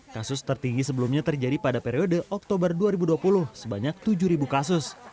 kasus tertinggi sebelumnya terjadi pada periode oktober dua ribu dua puluh sebanyak tujuh kasus